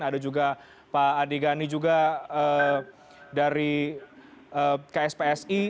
ada juga pak adi gani juga dari kspsi